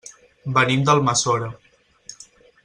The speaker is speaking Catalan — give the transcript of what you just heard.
Venim d'Almassora.